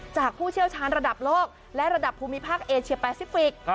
ผู้เชี่ยวชาญระดับโลกและระดับภูมิภาคเอเชียแปซิฟิกส์